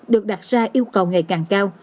được đặt ra yêu cầu ngày càng cao